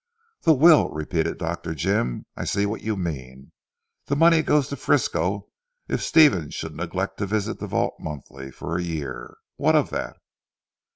"The will," repeated Dr. Jim, "I see what you mean. The money goes to Frisco if Stephen should neglect to visit the vault monthly for a year. What of that?"